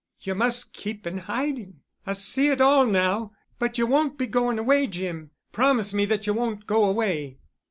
You must keep in hiding. I see it all now. But you won't be going away, Jim. Promise me that you won't go away."